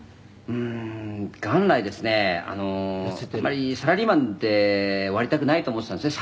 「うーん元来ですねあんまりサラリーマンで終わりたくないと思っていたんですね